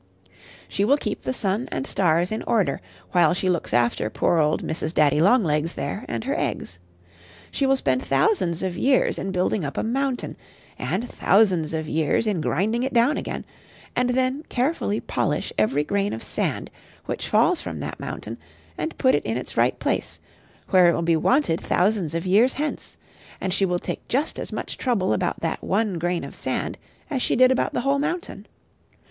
She will keep the sun and stars in order, while she looks after poor old Mrs. Daddy long legs there and her eggs. She will spend thousands of years in building up a mountain, and thousands of years in grinding it down again; and then carefully polish every grain of sand which falls from that mountain, and put it in its right place, where it will be wanted thousands of years hence; and she will take just as much trouble about that one grain of sand as she did about the whole mountain.